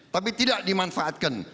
tapi tidak dimanfaatkan